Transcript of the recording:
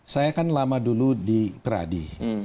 saya kan lama dulu di peradi